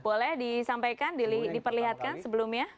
boleh disampaikan diperlihatkan sebelumnya